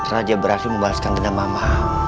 raja berhasil membalaskan denda mama